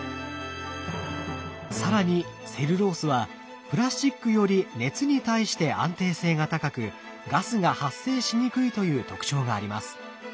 更にセルロースはプラスチックより熱に対して安定性が高くガスが発生しにくいという特徴があります。